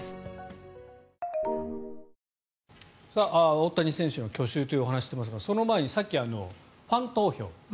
大谷選手の去就というお話をしていますがその前にさっきファン投票